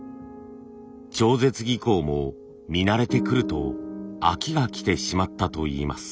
超絶技巧も見慣れてくると飽きがきてしまったといいます。